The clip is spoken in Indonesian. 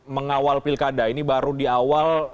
mengawal pilkada ini baru di awal